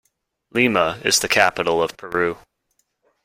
Lima is the capital of Peru.